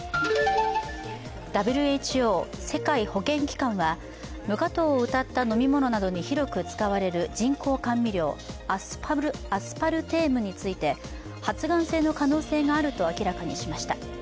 ＷＨＯ＝世界保健機関は無加糖をうたった飲み物などに広く使われる人工甘味料、アスパルテームについて発がん性の可能性があると明らかにしました。